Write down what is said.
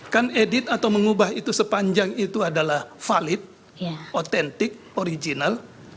kan edit atau mengubah itu sepanjang itu adalah valid otentik original